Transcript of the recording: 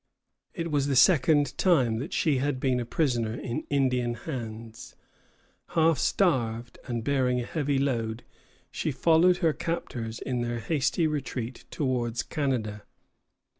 It was the second time that she had been a prisoner in Indian hands. Half starved and bearing a heavy load, she followed her captors in their hasty retreat towards Canada.